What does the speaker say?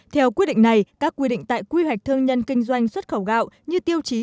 theo quyết định này các quy định tại quy hoạch thương nhân kinh doanh xuất khẩu gạo như tiêu chí